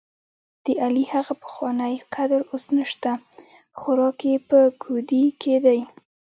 دعلي هغه پخوانی قدر اوس نشته، خوراک یې په کودي کې دی.